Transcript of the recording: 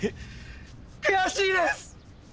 悔しいです！